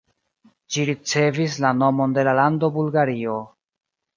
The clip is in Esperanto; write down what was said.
Ĝi ricevis la nomon de la lando Bulgario.